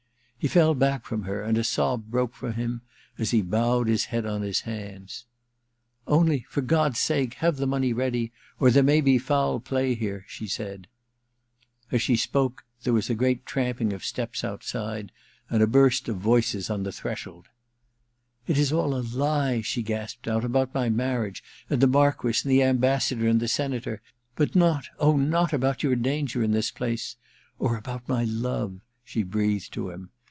He fell back from her, and a sob broke from him as he bowed his head on his hands. *Only, for God's sake, have the money ready, or there may be foul play here,' she s^d. Ill ENTERTAINMENT 343 As she spoke there was a great tramping of steps outside and a burst of voices on the threshold. ' It is all a lie/ she gasped out, * about my marriage, and the Marquess, and the Am bassador, and the Senator — but not, oh, not about your danger in this place — or about my love,' she breathed to him.